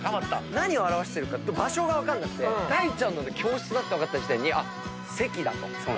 何を表してるか場所が分かんなくて大ちゃんので教室だって分かった時点で「席」だと。